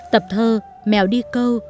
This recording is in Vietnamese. tập thơ mèo đi câu